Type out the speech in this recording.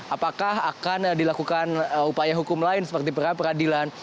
apakah akan dilakukan upaya hukum lain seperti peradilan